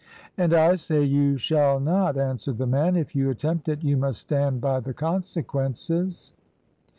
"And I say you shall not," answered the man; "if you attempt it you must stand by the consequences."